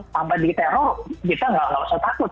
tanpa diteror kita nggak usah takut